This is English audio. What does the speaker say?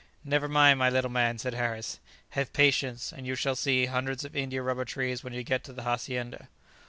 "Never mind, my little man," said Harris; "have patience, and you shall see hundreds of India rubber trees when you get to the hacienda."